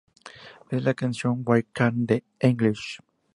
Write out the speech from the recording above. En la canción "Why Can't The English?